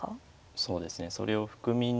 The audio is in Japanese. そうですねそれを含みに。